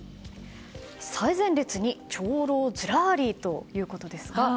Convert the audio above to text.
最前列に長老ずらりということですが。